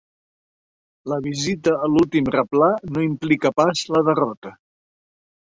La visita a l'últim replà no implica pas la derrota.